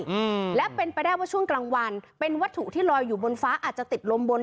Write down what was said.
อืมและเป็นไปได้ว่าช่วงกลางวันเป็นวัตถุที่ลอยอยู่บนฟ้าอาจจะติดลมบน